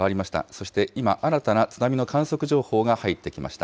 そして今、新たな津波の観測情報が入ってきました。